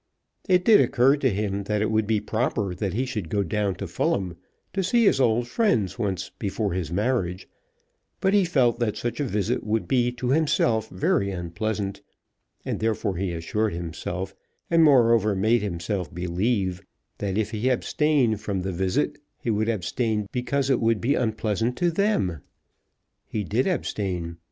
It did occur to him that it would be proper that he should go down to Fulham to see his old friends once before his marriage; but he felt that such a visit would be to himself very unpleasant, and therefore he assured himself, and moreover made himself believe, that, if he abstained from the visit, he would abstain because it would be unpleasant to them. He did abstain.